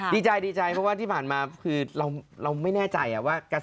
ดีใจดีใจเพราะว่าที่ผ่านมาคือเราไม่แน่ใจว่า